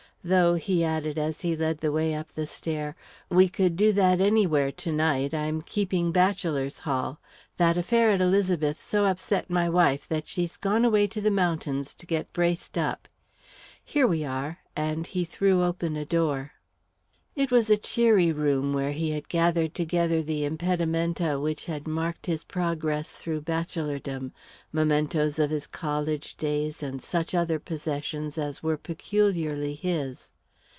Though," he added, as he led the way up the stair, "we could do that anywhere to night. I'm keeping bachelor's hall. That affair at Elizabeth so upset my wife that she's gone away to the mountains to get braced up. Here we are," and he threw open a door. It was a cheery room, where he had gathered together the impedimenta which had marked his progress through bachelordom, mementoes of his college days, and such other possessions as were peculiarly his.